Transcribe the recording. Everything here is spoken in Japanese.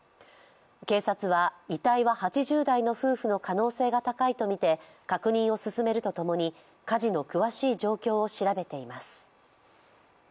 警察は遺体は８０代の夫婦の可能性が高いとみて確認を進めるとともに火事の詳しい状況を調べています。